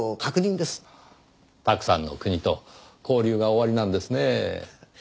たくさんの国と交流がおありなんですねぇ。